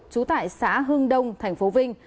chú tại xã hương đông tp vinh